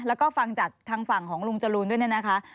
แล้วก็ฟังจากทางฝั่งของลุงจรูนด้วยเนี่ยนะคะ